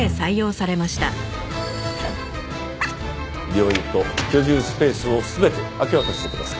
病院と居住スペースを全て明け渡してください。